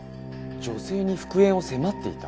女性に復縁を迫っていた？